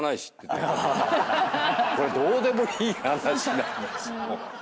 これどうでもいい話なんです。